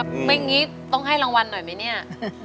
อย่างนี้ต้องให้รางวัลหน่อยไหมเนี่ย